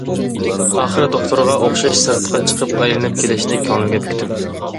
ئاخىرى دوختۇرغا ئوخشاش سىرتقا چىقىپ ئايلىنىپ كېلىشنى كۆڭلۈمگە پۈكتۈم.